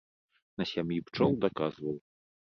На сям'і пчол даказваў.